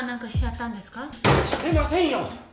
してませんよ！